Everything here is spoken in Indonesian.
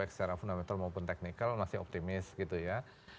jadi baik secara fundamental maupun technical masih optimis gitu ya